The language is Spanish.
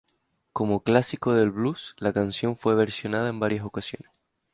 Como clásico del "blues", la canción fue versionada en varias ocasiones.